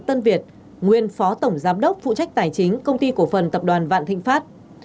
tân việt nguyên phó tổng giám đốc phụ trách tài chính công ty cổ phần tập đoàn vạn thịnh pháp